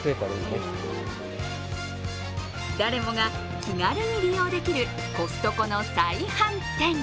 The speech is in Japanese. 誰もが気軽に利用できるコストコの再販店。